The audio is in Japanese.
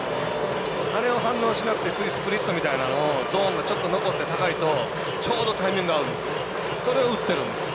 あれを反応しなくて次スプリットみたいなゾーンがちょっと残って高いとちょうどタイミング合うんです。